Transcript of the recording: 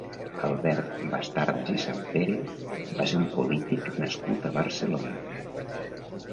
Albert Bastardas i Sampere va ser un polític nascut a Barcelona.